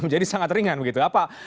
menjadi sangat ringan begitu